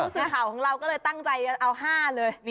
สื่อข่าวของเราก็เลยตั้งใจเอา๕เลย